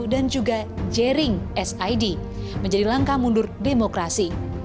dan juga jering sid menjadi langkah mundur demokrasi